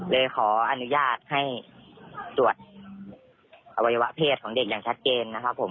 เลยขออนุญาตให้ตรวจอวัยวะเพศของเด็กอย่างชัดเจนนะครับผม